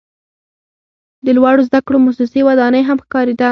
د لوړو زده کړو موسسې ودانۍ هم ښکاریده.